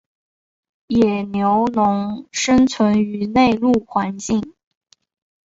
野牛龙生存于内陆环境。